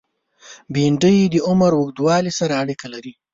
بېنډۍ د عمر اوږدوالی سره اړیکه لري